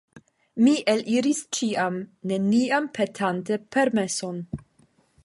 Mi eliris ĉiam, neniam petante permeson.